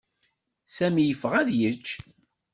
Sami yeffeɣ ad yečč.